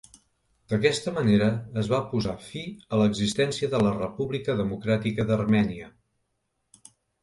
D'aquesta manera es va posar fi a l'existència de la República Democràtica d'Armènia.